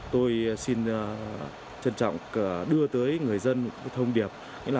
tôi xin trân trọng đưa tới người dân một thông điệp